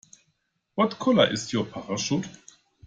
What colour is your parachute?